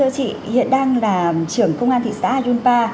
chị hiện đang là trưởng công an thị xã ayunpa